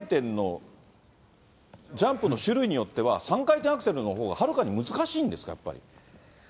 やっぱり３回転アクセルと、４回転のジャンプの種類によっては、３回転アクセルのほうがはるかに難しいんですか、やっぱり。